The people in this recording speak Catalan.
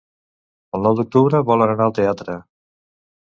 El nou d'octubre volen anar al teatre.